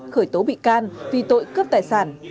khởi tố bị can vì tội cướp tài sản